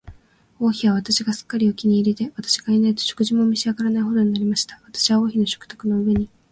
王妃は私がすっかりお気に入りで、私がいないと食事も召し上らないほどになりました。私は王妃の食卓の上に、